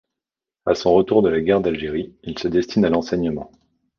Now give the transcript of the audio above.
À son retour de la Guerre d'Algérie, il se destine à l'enseignement.